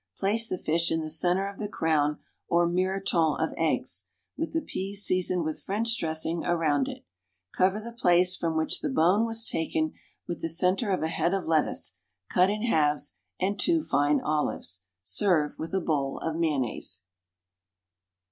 Place the fish in the centre of the crown or miroton of eggs, with the peas seasoned with French dressing around it; cover the place from which the bone was taken with the centre of a head of lettuce, cut in halves, and two fine olives. Serve with a bowl of mayonnaise.